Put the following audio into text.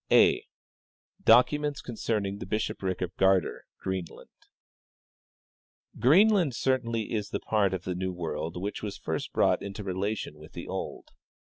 " J . Documents Concerning the Blihoprlc of Gardar, Greenlcuid. " Greenland certainly is the part of the new world which was first brought into relation with the old.